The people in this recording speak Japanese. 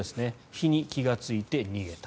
火に気がついて逃げた。